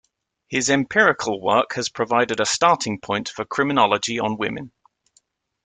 His empirical work has provided a starting point for criminology on women.